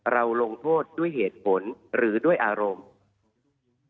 ลงโทษด้วยเหตุผลหรือด้วยอารมณ์